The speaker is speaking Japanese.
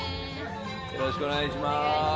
よろしくお願いします。